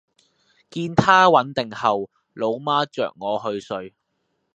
見她穩定後，老媽著我去睡